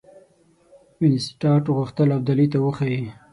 وینسیټارټ غوښتل ابدالي ته وښيي.